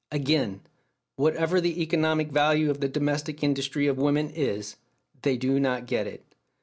Again: "Whatever the economic value of the domestic industry of women is, they do not get it.